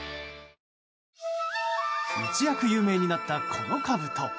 一躍有名になった、このかぶと。